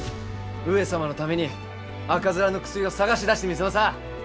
上様のために赤面の薬を探し出してみせまさぁ！